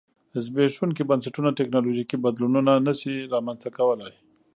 زبېښونکي بنسټونه ټکنالوژیکي بدلونونه نه شي رامنځته کولای